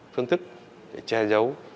phương thức để che giấu